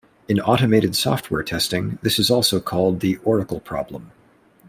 In automated software testing, this is also called the oracle problem.